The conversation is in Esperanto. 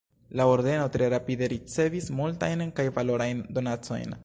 La ordeno tre rapide ricevis multajn kaj valorajn donacojn.